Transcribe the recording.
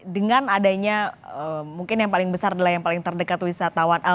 dengan adanya mungkin yang paling besar adalah yang paling terdekat wisatawan